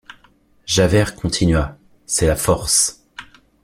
Javert continua: — C’est la force.